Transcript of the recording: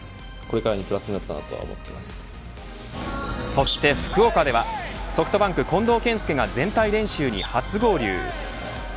そして福岡ではソフトバンク近藤健介が全体練習に初合流。